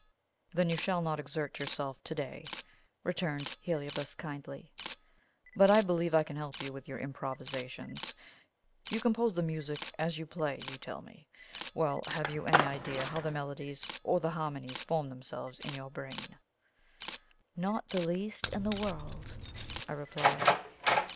"Then you shall not exert yourself to day," returned Heliobas kindly. "But I believe I can help you with your improvisations. You compose the music as you play, you tell me. Well, have you any idea how the melodies or the harmonies form themselves in your brain?" "Not the least in the world," I replied.